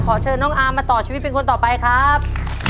เชิญน้องอามมาต่อชีวิตเป็นคนต่อไปครับ